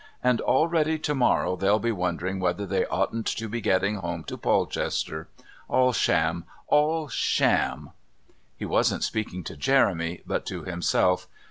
and already to morrow they'll be wondering whether they oughn't to be getting home to Polchester. All sham! All sham!" He wasn't speaking to Jeremy, but to himself.